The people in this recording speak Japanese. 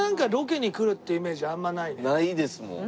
ないですもん。